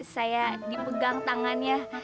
saya dipegang tangannya